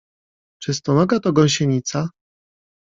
Czy stonoga to gąsienica?